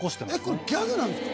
これギャグなんですか？